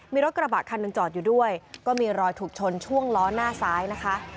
มีรถกระบะคันหนึ่งจอดอยู่ด้วยก็มีรอยถูกชนช่วงล้อหน้าซ้ายนะคะ